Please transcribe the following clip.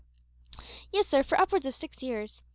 "Yes, sir, for upwards of six years.